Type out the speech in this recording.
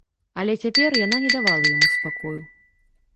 Але цяпер яна не давала яму спакою.